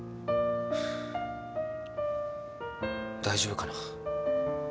大丈夫かな？